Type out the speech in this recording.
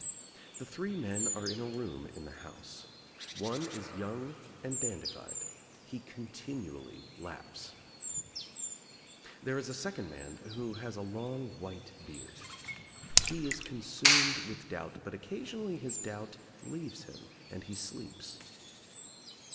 The three men are in a room in the house. One is young and dandified. He continually laughs. There is a second man who has a long white beard. He is consumed with doubt but occasionally his doubt leaves him and be sleeps.